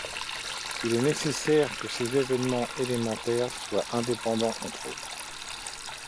Il est nécessaire que les événements élémentaires soient indépendants entre eux.